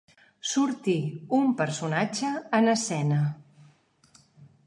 Sortir un personatge en escena.